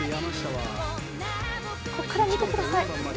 こっから見てください。